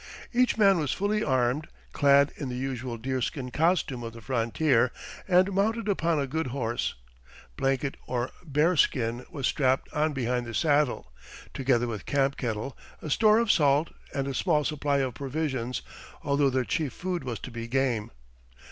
Each man was fully armed, clad in the usual deerskin costume of the frontier, and mounted upon a good horse; blanket or bearskin was strapped on behind the saddle, together with camp kettle, a store of salt, and a small supply of provisions, although their chief food was to be game.